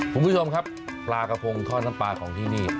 คุณผู้ชมครับปลากระพงทอดน้ำปลาของที่นี่